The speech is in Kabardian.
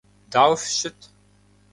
Дауэ фыщыт?